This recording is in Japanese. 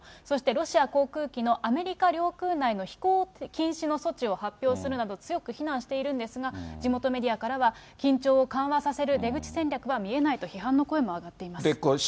そしてロシア航空機のアメリカ領空内の飛行禁止の措置を発表するなど、強く非難しているんですが、地元メディアからは、緊張を緩和させる出口戦略は見えないと批判の声も上がっています。